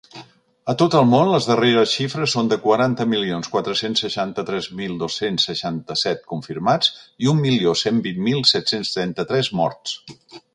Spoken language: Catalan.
A tot el món, les darreres xifres són de quaranta milions quatre-cents seixanta-tres mil dos-cents seixanta-set confirmats i un milió cent vint mil set-cents trenta-tres morts.